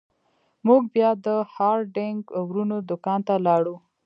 موږ بیا د هارډینګ ورونو دکان ته لاړو.